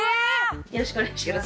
「よろしくお願いします」